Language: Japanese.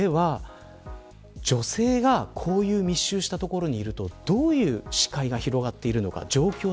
女性がこういう密集した所にいると、どういう視界が広がっているのか。